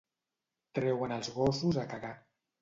Treuen els gossos a cagar.